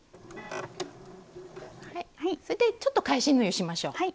それでちょっと返し縫いをしましょう。